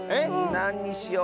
なんにしよう？